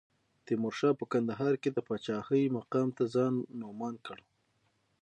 تیمورشاه په کندهار کې د پاچاهۍ مقام ته ځان نوماند کړ.